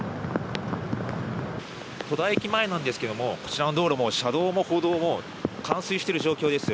戸田駅前なんですけどもこちらの道路も車道も歩道も冠水している状況です。